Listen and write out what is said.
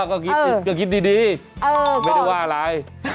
ก็คิดดีไม่ได้ว่าอะไร